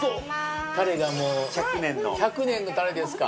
タレがもう１００年のタレですか。